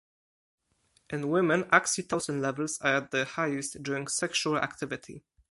In women, oxytocin levels are at their highest during sexual activity.